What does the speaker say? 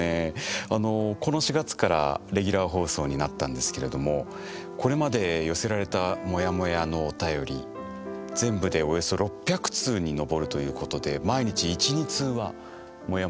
この４月からレギュラー放送になったんですけれどもこれまで寄せられたモヤモヤのお便り全部でおよそ６００通に上るということで毎日１２通はモヤモヤが届いている。